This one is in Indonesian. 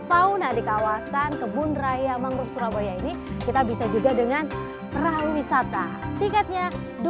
fauna di kawasan kebun raya mangrove surabaya ini kita bisa juga dengan perahu wisata tiketnya